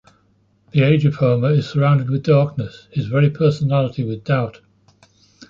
The age of Homer is surrounded with darkness, his very personality with doubt.